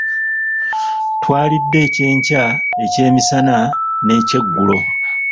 Twalidde Ekyenkya, Ekyemisana n'Ekyeggulo.